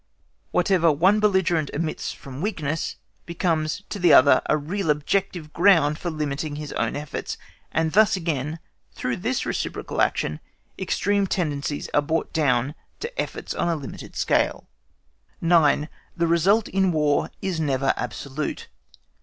Whatever one belligerent omits from weakness, becomes to the other a real objective ground for limiting his own efforts, and thus again, through this reciprocal action, extreme tendencies are brought down to efforts on a limited scale. 9. THE RESULT IN WAR IS NEVER ABSOLUTE.